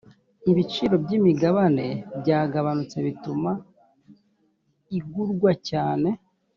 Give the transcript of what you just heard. ibiciro by’imigabane byagabanutse bituma igurwa cyane